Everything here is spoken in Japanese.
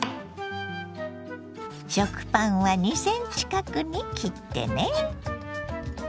食パンは２ｃｍ角に切ってね。